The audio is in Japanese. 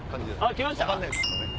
来ました？